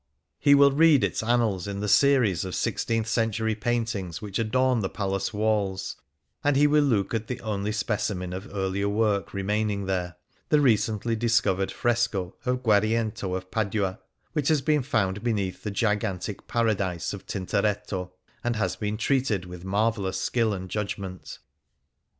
He will read its annals in the series of six teenth century paintings which adorn the Palace walls ; and he will look at the only specimen of earlier work remaining there — the recently dis covered fresco of Guariento of Padua, which has been found beneath the gigantic '* Paradise " of Tintoretto, and has been treated with mar vellous skill and judgment.